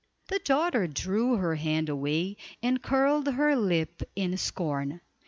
The daughter drew her hand away, and curled her lip in scorn.